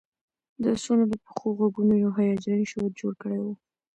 د آسونو د پښو غږونو یو هیجاني شور جوړ کړی و